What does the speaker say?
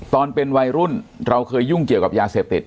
ตอนเป็นวัยรุ่นเราเคยยุ่งเกี่ยวกับยาเสพติด